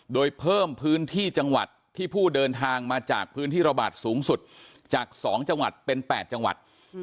โดยเพิ่มพื้นที่จังหวัดที่ผู้เดินทางมาจากพื้นที่ระบาดสูงสุดจาก๒จังหวัดเป็น๘จังหวัด